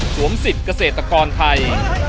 สิทธิ์เกษตรกรไทย